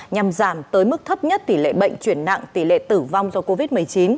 nhằm giảm tới mức thấp nhất tỷ lệ bệnh chuyển nặng tỷ lệ tử vong do covid một mươi chín